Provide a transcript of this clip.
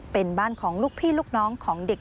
เป็นบ้านของลูกพี่ลูกน้อง